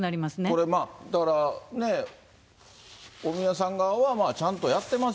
これ、まあだから、お宮さん側は、ちゃんとやってます